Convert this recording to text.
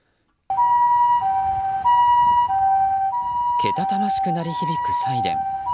けたたましく鳴り響くサイレン。